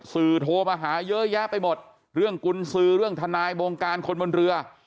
สื่อโทรมาหาเยอะแยะไปหมดเรื่องกุญสือเรื่องทนายบงการคนบนเรือ